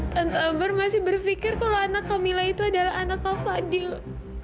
tante amber masih berpikir kalau anak camilla itu adalah anak kau fadil